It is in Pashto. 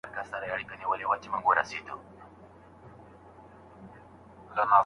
د نفلي روژې لپاره د چا اجازه پکار ده؟